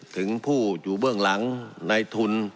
ถึงผู้อยู่เบื้องหลังในทุน